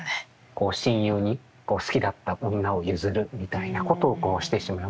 こう親友に好きだった女を譲るみたいなことをこうしてしまう。